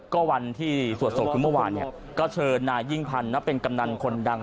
ก็วันที่สวดศพคือเมื่อวานเนี่ยก็เชิญนายยิ่งพันธ์เป็นกำนันคนดัง